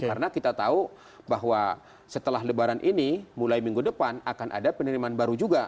karena kita tahu bahwa setelah lebaran ini mulai minggu depan akan ada penerimaan baru juga